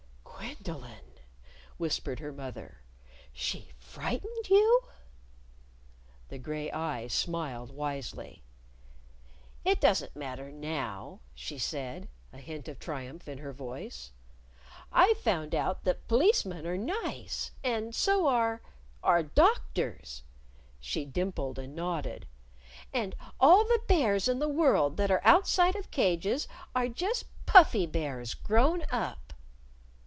"Gwendolyn!" whispered her mother. "She frightened you?" The gray eyes smiled wisely. "It doesn't matter now," she said, a hint of triumph in her voice. "I've found out that P'licemen are nice. And so are are Doctors" she dimpled and nodded. "And all the bears in the world that are outside of cages are just Puffy Bears grown up."